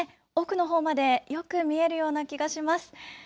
奥のほうまでよく見えるような気がします。